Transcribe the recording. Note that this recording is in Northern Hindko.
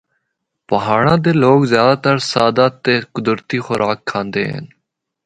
پہاڑاں دے لوگ زیادہ تر سادہ تے قدرتی خوراک کھاندے ہن۔